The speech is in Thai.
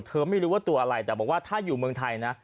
ไม่รู้ว่าตัวอะไรแต่บอกว่าถ้าอยู่เมืองไทยนะ